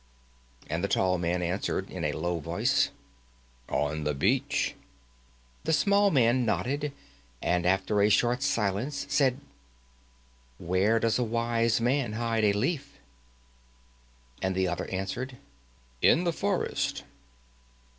And the tall man answered in a low voice: "On the beach." The small man nodded, and after a short silence said: "Where does a wise man hide a leaf?" And the other answered: "In the forest."